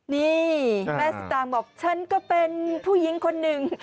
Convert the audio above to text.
นี่แม่สตางค์บอกฉันก็เป็นผู้หญิงคนหนึ่ง